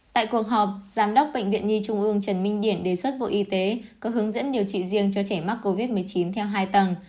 tại cuộc họp giám đốc bệnh viện nhi trung ương trần minh điển đề xuất bộ y tế có hướng dẫn điều trị riêng cho trẻ mắc covid một mươi chín theo hai tầng